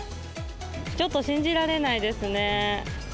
ちょっと信じられないですね。